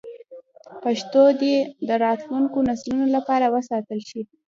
پښتو دې د راتلونکو نسلونو لپاره وساتل شي.